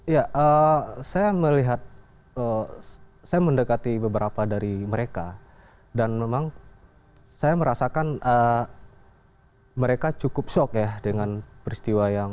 ya saya melihat saya mendekati beberapa dari mereka dan memang saya merasakan mereka cukup shock ya dengan peristiwa yang